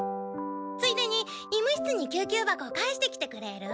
ついでに医務室に救急箱返してきてくれる？